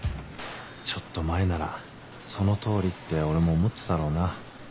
ちょっと前なら「その通り」って俺も思ってたろうな